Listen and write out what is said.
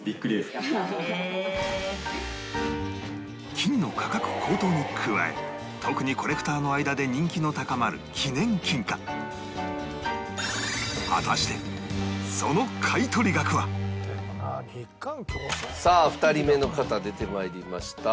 金の価格高騰に加え特にコレクターの間で人気の高まる記念金貨さあ２人目の方出てまいりました。